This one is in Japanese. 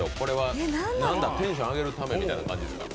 テンション上げるためみたいな感じですか？